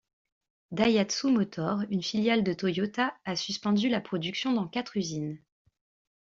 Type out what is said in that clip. Daihatsu Motor, une filiale de Toyota, a suspendu la production dans quatre usines.